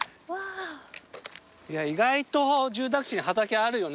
意外と住宅地に畑あるよね。